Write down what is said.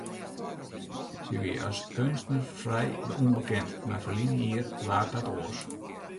Sy wie as keunstner frij ûnbekend, mar ferline jier waard dat oars.